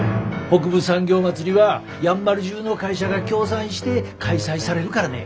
北部産業まつりはやんばる中の会社が協賛して開催されるからね。